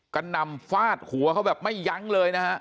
นำฟาดหัวเขาแบบไม่ยั้งเลยนะฮะ